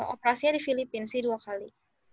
operasinya di filipina sih dua kali